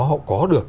họ có được